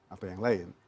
atau yang lain